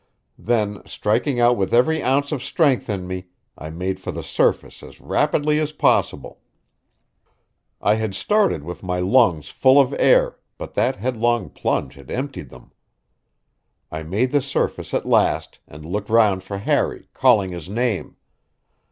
Then, striking out with every ounce of strength in me, I made for the surface as rapidly as possible. I had started with my lungs full of air, but that headlong plunge had emptied them. I made the surface at last and looked round for Harry, calling his name.